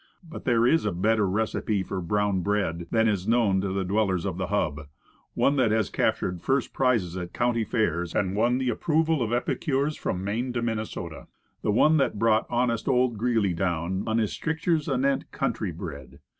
But there is a better recipe for brown bread than is known to the dwellers of the Hub one that has captured first prizes at country fairs, and won the approval of epicures from Maine to Minnesota; the one that brought honest old Greeley down, on his strictures anent "country bread."